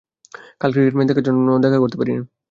কাল cricket match দেখার জন্য করতে পারেনি।